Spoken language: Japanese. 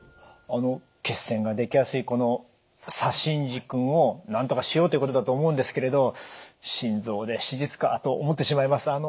あの血栓ができやすいこの左心耳君をなんとかしようということだと思うんですけれど「心臓で手術か」と思ってしまいます。